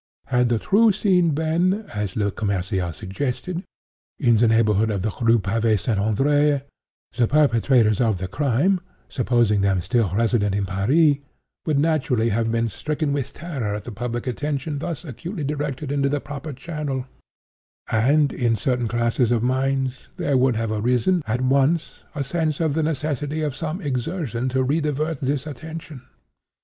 Had the true scene been, as Le Commerciel suggested, in the neighborhood of the Rue Pavée St. Andrée, the perpetrators of the crime, supposing them still resident in Paris, would naturally have been stricken with terror at the public attention thus acutely directed into the proper channel; and, in certain classes of minds, there would have arisen, at once, a sense of the necessity of some exertion to redivert this attention.